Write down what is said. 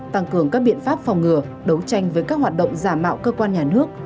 tăng cường các biện pháp phòng ngừa đấu tranh với các hoạt động giả mạo cơ quan nhà nước